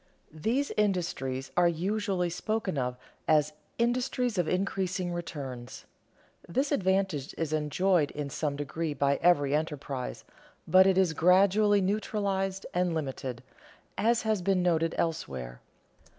_ These industries are usually spoken of as "industries of increasing returns." This advantage is enjoyed in some degree by every enterprise, but it is gradually neutralized and limited (as has been noted elsewhere).